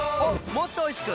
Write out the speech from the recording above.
もっとおいしく！